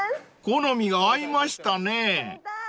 ［好みが合いましたね］